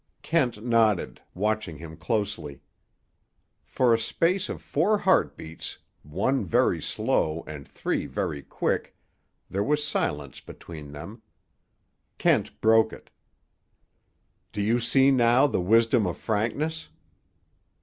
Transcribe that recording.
Kent nodded, watching him closely. For a space of four heart beats—one very slow, and three very quick—there was silence between them. Kent broke it. "Do you see now the wisdom of frankness?"